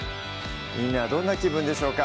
みんなはどんな気分でしょうか？